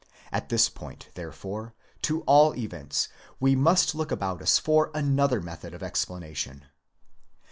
At this point therefore, at all events, we must look about us for another method of explana tion.